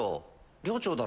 寮長だろ？